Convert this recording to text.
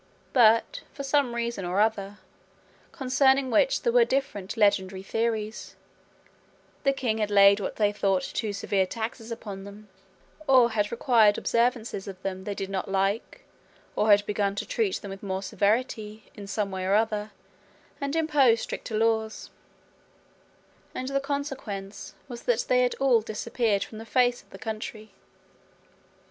But for some reason or other, concerning which there were different legendary theories, the king had laid what they thought too severe taxes upon them, or had required observances of them they did not like, or had begun to treat them with more severity, in some way or other, and impose stricter laws; and the consequence was that they had all disappeared from the face of the country.